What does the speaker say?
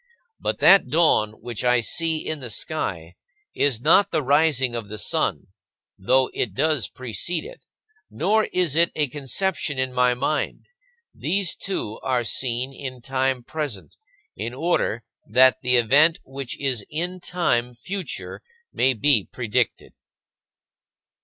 But that dawn which I see in the sky is not the rising of the sun (though it does precede it), nor is it a conception in my mind. These two are seen in time present, in order that the event which is in time future may be predicted.